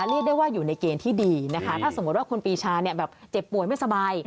เรียกได้ว่าอยู่ในเกณฑ์ที่ดีนะคะถ้าสมมุติว่าคุณปีชาเจ็บป่วยไม่สบาย